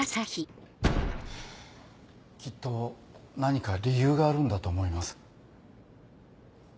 きっと何か理由があるんだと思います。